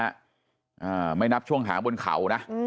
อ่าไม่นับช่วงหางบนเขานะอืม